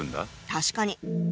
確かに！